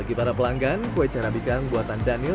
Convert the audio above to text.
bagi para pelanggan kue carabica yang buatan daniel